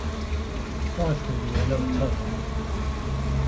Promise me you will never tell him.